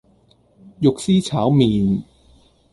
肉絲炒麪